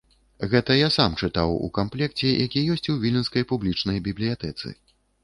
Гэта я сам чытаў у камплекце, які ёсць у віленскай публічнай бібліятэцы.